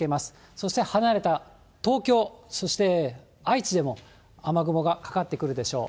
そして離れた東京、そして愛知でも、雨雲がかかってくるでしょう。